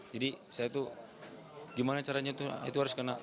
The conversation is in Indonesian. jadi saya itu gimana caranya itu harus kena